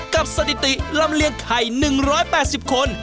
สถิติลำเลียงไข่๑๘๐คน